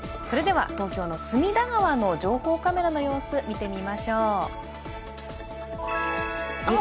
それでは、東京の隅田川の情報カメラの様子、見てみましょう。